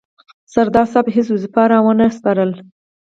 سردار صاحب هیڅ وظیفه را ونه سپارله.